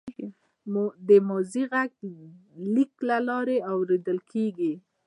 د ماضي غږ د لیک له لارې اورېدل کېږي.